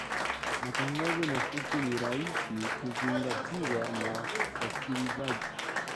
matangazo mafupi ni rahisi kuzingatiwa na wasikilizaji